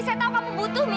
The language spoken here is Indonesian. saya tahu kamu butuh mila